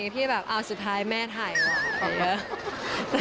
ที่แบบเอาสุดท้ายแม่ถ่ายของเนอะ